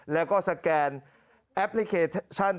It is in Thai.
แล้วก็สแกนแอปพลิเคชัน